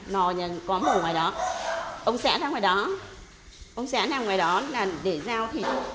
lò nhà có mổ ngoài đó ông xé ra ngoài đó ông xé ra ngoài đó để giao thịt